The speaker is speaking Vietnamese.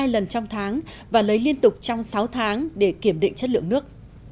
hai lần trong tháng và lấy liên tục trong sáu tháng để kiểm định chất lượng nước